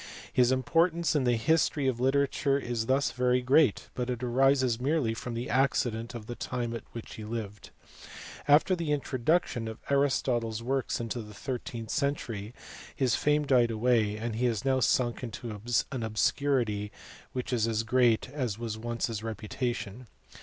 His importance in the history of litera ture is thus very great, but it arises merely from the accident of the time at which he lived. After the introduction of Aristotle s works in the thirteenth century his fame died away, and he has now sunk into an obscurity which is as great as was once his reputation.